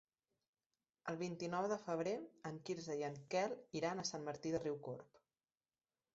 El vint-i-nou de febrer en Quirze i en Quel iran a Sant Martí de Riucorb.